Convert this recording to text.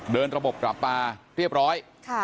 เดินระบบกลับปลาเรียบร้อย